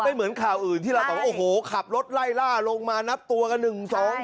เหมือนข่าวอื่นที่เราบอกว่าโอ้โหขับรถไล่ล่าลงมานับตัวกันหนึ่งสอง